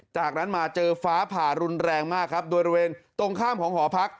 จากนั้นมาเจอฟ้าผ่ารุนแรงมากครับโดยบริเวณตรงข้ามของหอพัก